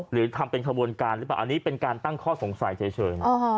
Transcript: หรือทำเป็นขบวนการหรือเปล่าอันนี้เป็นการตั้งข้อสงสัยเฉย